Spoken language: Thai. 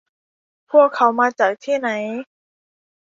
พวกเขามาจากที่ไหน